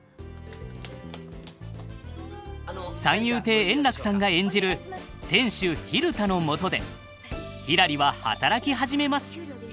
三遊亭円楽さんが演じる店主蛭田のもとでひらりは働き始めます。